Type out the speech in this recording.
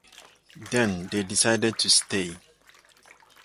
They then decided to stay.